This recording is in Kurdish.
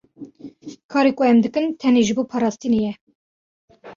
Karê ku em dikin tenê ji bo parastinê ye.